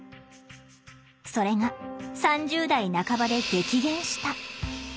それが３０代半ばで激減した。